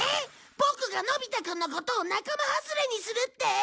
ボクがのび太くんのことを仲間外れにするって！？